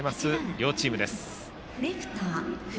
両チームです。